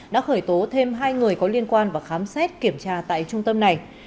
đã khởi tố thêm hai người có liên quan và khám xét kiểm tra tại trung tâm này